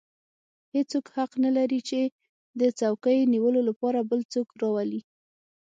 هېڅوک حق نه لري چې د څوکۍ نیولو لپاره بل څوک راولي.